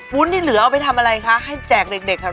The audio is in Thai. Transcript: วุ้นที่เหลือเอาไปทำอะไรคะให้แจกเด็กแถวนั้น